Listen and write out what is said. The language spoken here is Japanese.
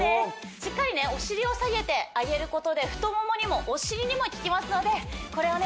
しっかりお尻を下げてあげることで太ももにもお尻にもききますのでこれをね